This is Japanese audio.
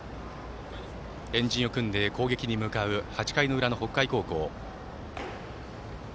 円陣を組んで、攻撃に向かう８回の裏の北海高校。